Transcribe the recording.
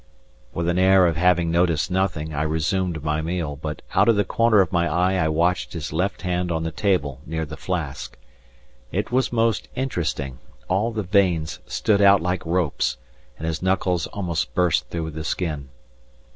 With an air of having noticed nothing, I resumed my meal, but out of the corner of my eye I watched his left hand on the table near the flask. It was most interesting, all the veins stood out like ropes, and his knuckles almost burst through the skin.